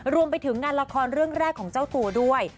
รวมไปถึงงานละครเรื่องแรกของเจ้าตัวด้วย